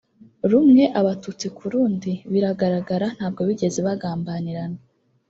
rumwe abatutsi ku rundi biragaragara ntabwo bigeze bagambanirana